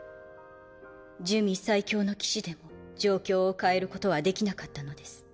珠魅最強の騎士でも状況を変えることはできなかったのです。